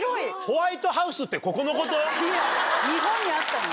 日本にあったの？